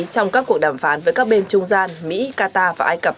trong các cuộc đàm phán với các bên trung gian mỹ qatar và ai cập